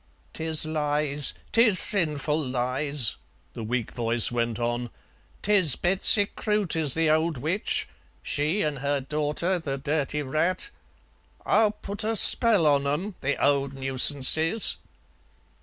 "'Tis lies, 'tis sinful lies," the weak voice went on. "'Tis Betsy Croot is the old witch. She an' her daughter, the dirty rat. I'll put a spell on 'em, the old nuisances."